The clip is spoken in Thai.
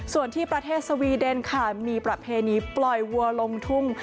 ส่วนที่ประเทศสวีเดนค่ะมีประเพณีปล่อยวัวลงทุ่ง